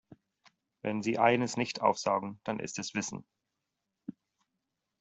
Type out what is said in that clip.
Wenn sie eines nicht aufsaugen, dann ist es Wissen.